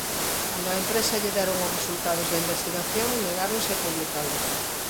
Cando á empresa lle deron os resultados da investigación negáronse a publicalos.